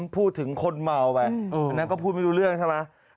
พูดถึงคนเมาไปอันนั้นก็พูดไม่รู้เรื่องใช่ไหม